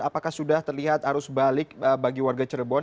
apakah sudah terlihat arus balik bagi warga cirebon